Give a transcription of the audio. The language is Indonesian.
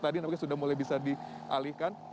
tadi nampaknya sudah mulai bisa dialihkan